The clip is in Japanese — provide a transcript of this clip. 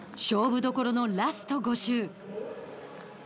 勝負どころのラスト５周。